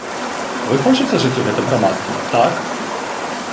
Вы хочаце жыць у гэтым грамадстве, так?